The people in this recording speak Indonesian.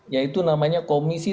yaitu namanya komisi